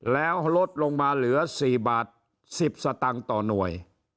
แล้วลดลงมาเหลือ๔บาท๑๐สตางค์ต่อหน่วย